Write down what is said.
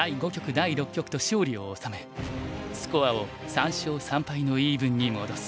第六局と勝利を収めスコアを３勝３敗のイーブンに戻す。